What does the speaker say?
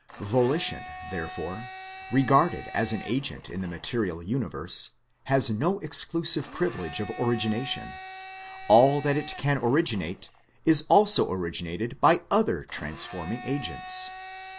Volition, therefore, regarded as an agent in the material universe, has no exclusive privilege of ARGUMENT FOB A FIRST CAUSE origination : all that it can originate is also original,^ by other transforming agents.